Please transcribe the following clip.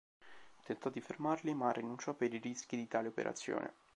Tentò di fermarli ma rinunciò per i rischi di tale operazione.